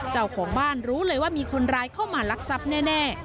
เจ้าของบ้านรู้เลยว่ามีคนร้ายเข้ามาลักทรัพย์แน่